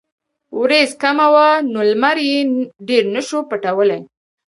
وريځ کمه وه نو نمر يې ډېر نۀ شو پټولے ـ